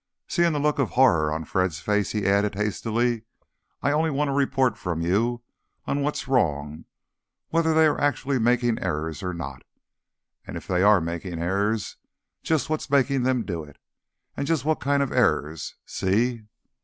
Seeing the look of horror on Fred's face, he added hastily, "I only want a report from you on what's wrong, whether they are actually making errors or not. And if they are making errors, just what's making them do it. And just what kind of errors. See?"